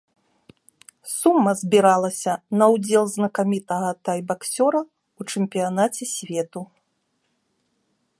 Сума збіралася на ўдзел знакамітага тайбаксёра ў чэмпіянаце свету.